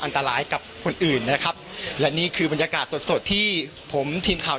อันตรายกับคนอื่นนะครับและนี่คือบรรยากาศสดสดที่ผมทีมข่าว